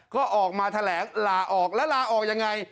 ก็ออกมาแถลงลาออกแล้วลาออกยังไง